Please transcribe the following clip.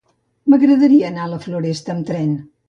M'agradaria anar a la Floresta amb tren.